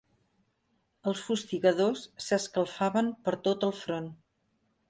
Els fustigadors s'escalfaven per tot el front.